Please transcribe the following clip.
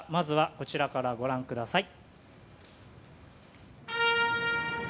こちらからご覧ください。